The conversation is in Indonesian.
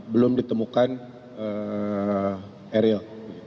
belum ditemukan ariel